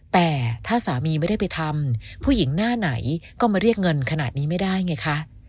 แต่ถ้าสามีไม่ได้ไปทำผู้หญิงหน้าไหนก็มาเรียกเงินขนาดนี้ไม่ได้ไงคะ